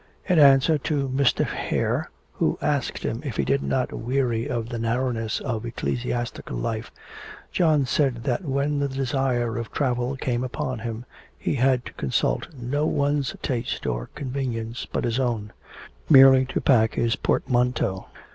In answer to Mr. Hare, who asked him if he did not weary of the narrowness of ecclesiastical life, John said that when the desire of travel came upon him, he had to consult no one's taste or convenience but his own, merely to pack his portmanteau.